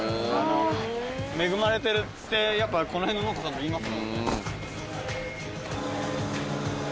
恵まれてるってやっぱこの辺の農家さんも言います。